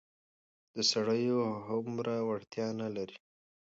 د سړيو هومره وړتيا نه لري.